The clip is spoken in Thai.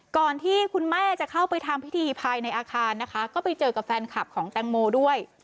ก่อนที่คุณแม่จะเข้าไปทำพิธีภายในอาคารนะคะก็ไปเจอกับแฟนคลับของแตงโมด้วย